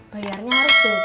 bayarnya harus tuh